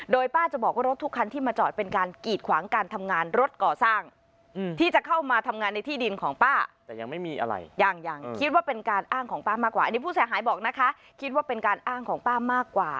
โดยป้าจะบอกว่ารถทุกคันที่มาจอดเป็นการกีดขวางการทำงานรถก่อสร้างที่จะเข้ามาทำงานในที่ดินของป้าแต่ยังไม่มีอะไรยังยังคิดว่าเป็นการอ้างของป้ามากกว่าอันนี้ผู้เสียหายบอกนะคะคิดว่าเป็นการอ้างของป้ามากกว่า